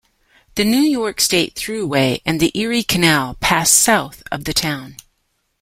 The New York State Thruway and the Erie Canal pass south of the town.